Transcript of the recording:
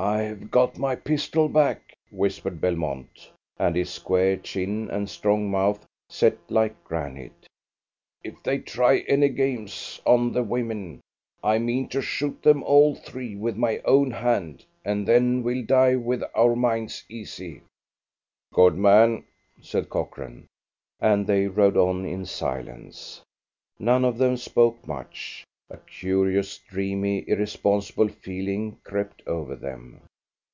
"I've got my pistol back," whispered Belmont, and his square chin and strong mouth set like granite. "If they try any games on the women, I mean to shoot them all three with my own hand, and then we'll die with our minds easy." "Good man!" said Cochrane, and they rode on in silence. None of them spoke much. A curious, dreamy, irresponsible feeling crept over them.